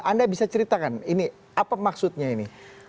anda bisa ceritakan ini apa maksudnya ini